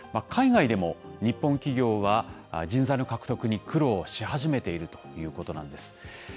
海外でも日本企業は、人材の獲得に苦労し始めているということなんです。